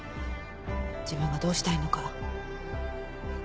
自分がどうしたいのか。